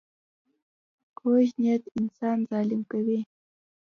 کوږ نیت انسان ظالم کوي